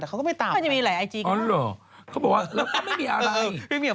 แต่เขาก็ไม่ตามกันอ๋อหรือเขาบอกว่าเราก็ไม่มีอะไร